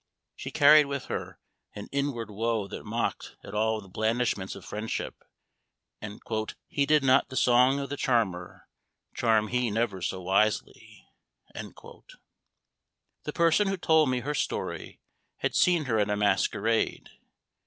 She carried with her an inward woe that mocked at all the blandishments of friendship, and "heeded not the song of the charmer, charm he never so wisely." The person who told me her story had seen her at a masquerade.